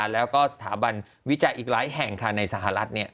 แล้วก็สถาบันวิจัยอีกหลายแห่งในสหรัฐ